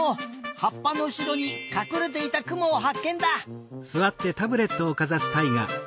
はっぱのうしろにかくれていたクモをはっけんだ！